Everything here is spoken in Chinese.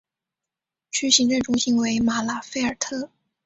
区行政中心为马拉费尔特。